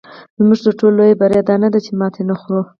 زموږ تر ټولو لویه بریا دا نه ده چې ماتې نه خورو.